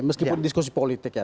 meskipun diskusi politik ya